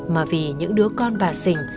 mà vì những đứa con bà dình